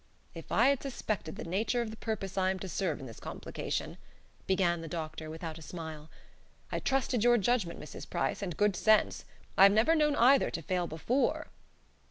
"If I had suspected the nature of the purpose I am to serve in this complication" began the doctor, without a smile. "I trusted your judgment, Mrs. Price, and good sense I have never known either to fail before.